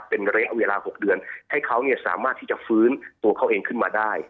เป็นระยะเวลา๖เดือนให้เขาสามารถที่จะฟื้นตัวเขาเองขึ้นมาได้